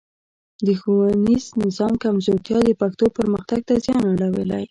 د ښوونیز نظام کمزورتیا د پښتو پرمختګ ته زیان اړولی.